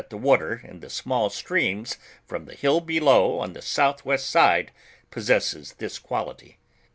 he water in the small s: reams from the hill bfl.>w on the south west side possesses this quality.